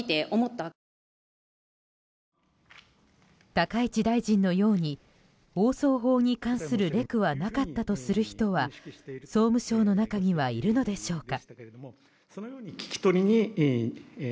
高市大臣のように放送法に関するレクはなかったとする人は総務省の中にはいるのでしょうか？